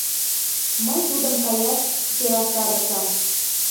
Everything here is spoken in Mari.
Мый тудым каяш сӧрастарышым.